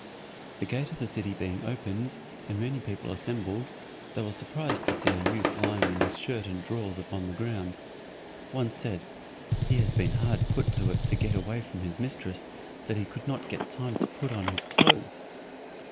The gate of the city being opened, and many people assembled, they were surprised to see a youth lying in his shirt and drawers upon the ground. One said, "He has been hard put to it to get away from his mistress, that he could not get time to put on his clothes."